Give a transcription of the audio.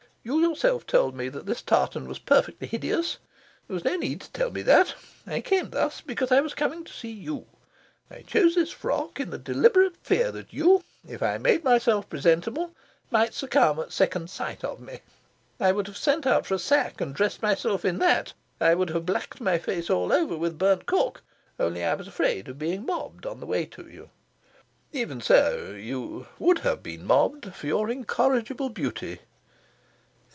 You yourself told me that this tartan was perfectly hideous. There was no need to tell me that. I came thus because I was coming to see you. I chose this frock in the deliberate fear that you, if I made myself presentable, might succumb at second sight of me. I would have sent out for a sack and dressed myself in that, I would have blacked my face all over with burnt cork, only I was afraid of being mobbed on the way to you." "Even so, you would but have been mobbed for your incorrigible beauty."